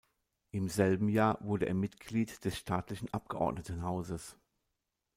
Im selben Jahr wurde er Mitglied des staatlichen Abgeordnetenhauses.